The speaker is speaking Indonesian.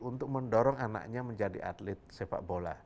untuk mendorong anaknya menjadi atlet sepak bola